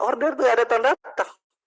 order itu tidak datang datang